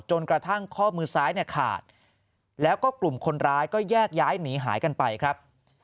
กระทั่งข้อมือซ้ายเนี่ยขาดแล้วก็กลุ่มคนร้ายก็แยกย้ายหนีหายกันไปครับ